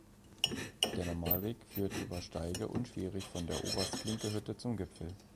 Der Normalweg führt über Steige unschwierig von der Oberst-Klinke-Hütte zum Gipfel.